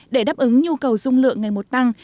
để đáp ứng nhu cầu dung lượng ngày một tăng